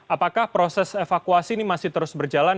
apakah proses evakuasi ini masih terus berjalan